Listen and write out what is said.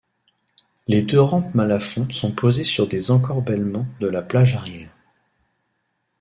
Les deux rampes Malafon sont posées sur des encorbellements de la plage arrière.